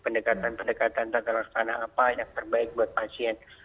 pendekatan pendekatan tata laksana apa yang terbaik buat pasien